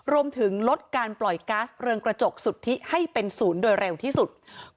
รวมถึงลดการปล่อยก๊าซเรืองกระจกสุทธิให้เป็นศูนย์โดยเร็วที่สุด